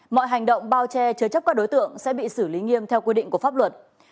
mọi hành động bao che chứa chấp các đối tượng sẽ bị xử lý nghiêm theo quy định của pháp luật